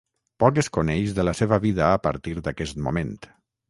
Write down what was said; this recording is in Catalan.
Poc es coneix de la seva vida a partir d'aquest moment.